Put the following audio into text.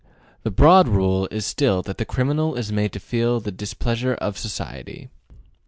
The broad rule is still that the criminal is made to feel the displeasure of society.